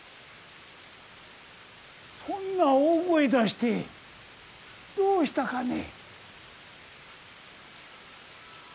そんな大声出してどうしたかね？